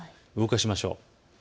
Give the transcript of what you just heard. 動かしましょう。